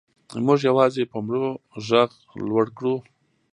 موږ یوازې په مړو غږ لوړ کړو.